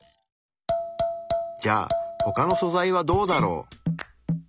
じゃあ他の素材はどうだろう？